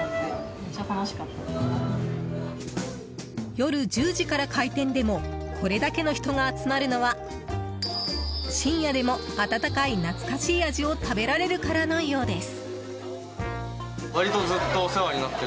夜１０時から開店でもこれだけの人が集まるのは深夜でも温かい、懐かしい味を食べられるからのようです。